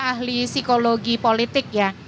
ahli psikologi politik ya